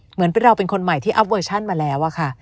เหมือนเราเป็นคนใหม่ที่อัพเวอร์ชันมาแล้ว